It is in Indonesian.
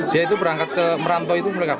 dia itu berangkat ke merantau itu mereka